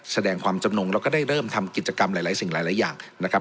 แสดงความจำนงแล้วก็ได้เริ่มทำกิจกรรมหลายสิ่งหลายอย่างนะครับ